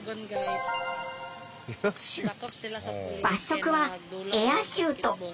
罰則はエアシュート。